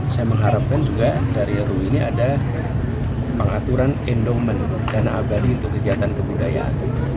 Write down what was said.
saya mengharapkan juga dari ru ini ada pengaturan endomen dana abadi untuk kegiatan kebudayaan